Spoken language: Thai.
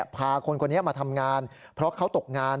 พาคนคนนี้มาทำงานเพราะเขาตกงาน